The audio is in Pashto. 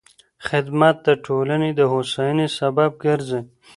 خدمت د ټولنې د هوساینې سبب ګرځي.